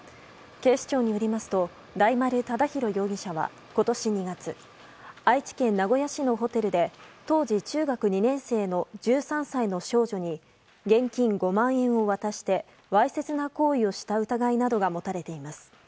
警視庁によりますと大丸侃広容疑者は今年２月愛知県名古屋市のホテルで当時中学２年生の１３歳の少女に現金５万円を渡してわいせつな行為をした疑いなどが持たれています。